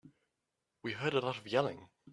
We heard a lot of yelling.